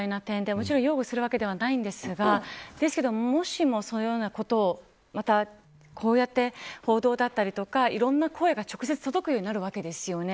もちろん擁護するわけではないんですがですが、もしもそのようなことをまたこうやって報道だったりとかいろんな声が直接届くようになるわけですよね。